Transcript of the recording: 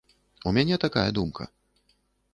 У мяне такая думка.